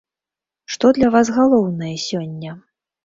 Што для вас галоўнае сёння?